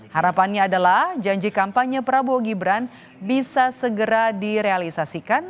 harapannya adalah janji kampanye prabowo gibran bisa segera direalisasikan